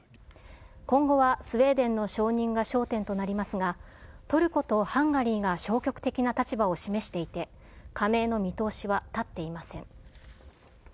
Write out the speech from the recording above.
今後はスウェーデンの承認が焦点となりますが、トルコとハンガリーが消極的な立場を示していて、加盟の見通しは立っていません。